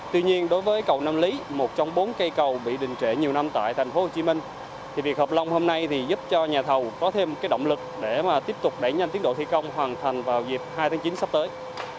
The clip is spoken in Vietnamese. tuy nhiên đối với cầu nam lý một trong bốn cây cầu bị đình trệ nhiều năm tại tp hcm thì việc hợp lòng hôm nay thì giúp cho nhà thầu có thêm động lực để mà tiếp tục đẩy nhanh tiến độ thi công hoàn thành vào dịp hai tháng chín sắp tới